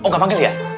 oh gak manggil ya